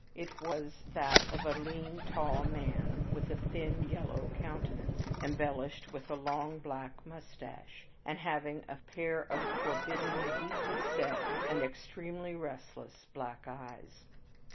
It was that of a lean, tall man with a thin, yellow countenance, embellished with a long, black mustache, and having a pair of forbidding, deeply set, and extremely restless black eyes.